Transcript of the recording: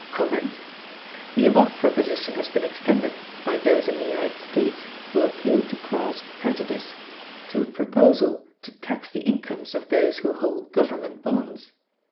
The above proposition has been extended, by those in the United States who appeal to class prejudice, to a proposal to tax the incomes of those who hold government bonds.